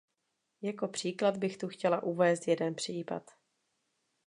Jako příklad bych tu chtěla uvést jeden případ.